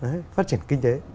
thế cái chỗ phát triển kinh tế đấy